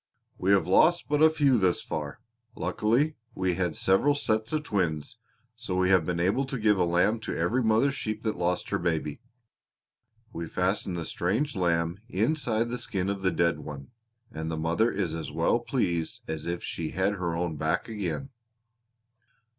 We have lost but a few thus far. Luckily we had several sets of twins, so we have been able to give a lamb to every mother sheep that lost her baby. We fasten the strange lamb inside the skin of the dead one, and the mother is as well pleased as if she had her own back again."